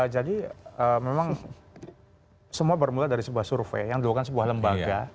jadi memang semua bermula dari sebuah survei yang dilakukan sebuah lembaga